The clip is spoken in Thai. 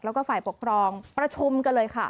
แล้วก็ฝ่ายปกครองประชุมกันเลยค่ะ